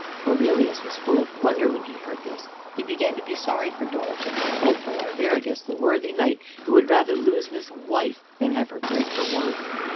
Aurelius was full of wonder when he heard this. He began to be sorry for Dorigen, and for Arviragus the worthy knight, who would rather lose his wife than have her break her word.